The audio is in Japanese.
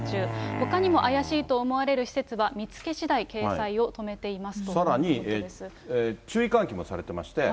ほかにも怪しいと思われる施設は、見つけしだい、さらに、注意喚起もされていまして。